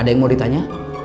ada yang mau ditanya